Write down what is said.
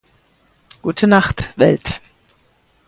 Gute Nacht, Welt.